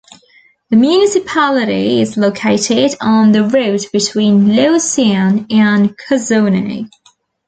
The municipality is located on the road between Lausanne and Cossonay.